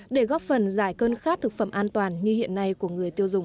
để góp phần giải cơn khát thực phẩm an toàn như hiện nay của người tiêu dùng